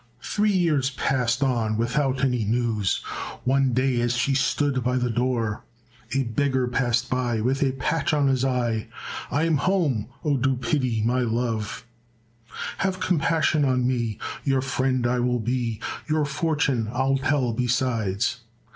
Three years passed on without any news. One day as she stood by the door A beggar passed by with a patch on his eye, "I'm home, oh, do pity, my love; Have compassion on me, your friend I will be. Your fortune I'll tell besides.